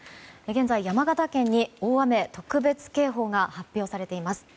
現在、山形県に大雨特別警報が発表されています。